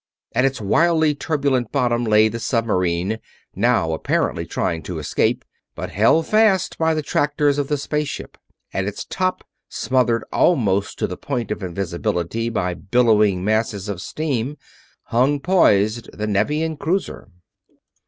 At its wildly turbulent bottom lay the submarine, now apparently trying to escape, but held fast by the tractors of the space ship; at its top, smothered almost to the point of invisibility by billowing masses of steam, hung poised the Nevian cruiser.